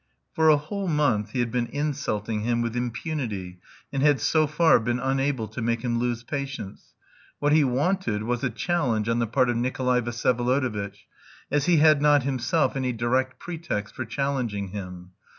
For a whole month he had been insulting him with impunity, and had so far been unable to make him lose patience. What he wanted was a challenge on the part of Nikolay Vsyevolodovitch, as he had not himself any direct pretext for challenging him.